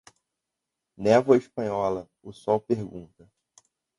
Névoa espanhola, o sol pergunta.